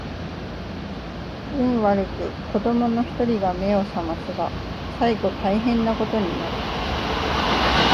運悪く子供の一人が眼を醒ますが最後大変な事になる